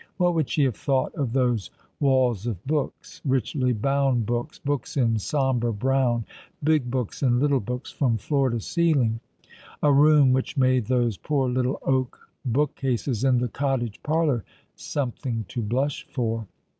What would she have thought of those walls of books — richly bound books, books in sombre brown, big books and little books, from floor to ceiling ? A room which made those poor little oak bookcases in the cottage parlour something to blush for.